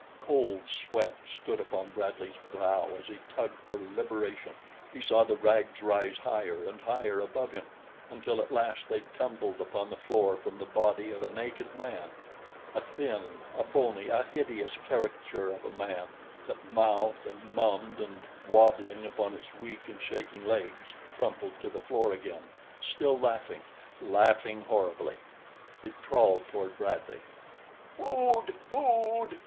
Cold sweat stood upon Bradley's brow as he tugged for liberation. He saw the rags rise higher and higher above him until at last they tumbled upon the floor from the body of a naked man a thin, a bony, a hideous caricature of man, that mouthed and mummed and, wabbling upon its weak and shaking legs, crumpled to the floor again, still laughing laughing horribly. It crawled toward Bradley. "Food! Food!"